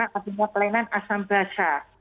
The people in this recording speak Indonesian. kelainan asam basah